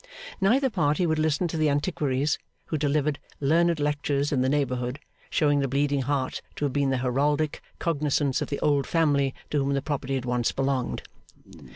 Neither party would listen to the antiquaries who delivered learned lectures in the neighbourhood, showing the Bleeding Heart to have been the heraldic cognisance of the old family to whom the property had once belonged.